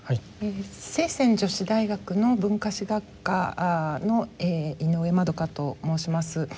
清泉女子大学の文化史学科の井上まどかと申します。